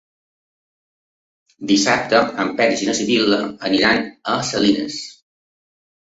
Dissabte en Peris i na Sibil·la aniran a Salines.